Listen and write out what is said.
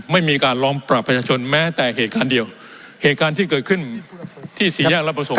ไม่มีการล้อมปรับประชาชนแม้แต่เหตุการณ์เดียวเหตุการณ์ที่เกิดขึ้นที่สี่แยกรับประสงค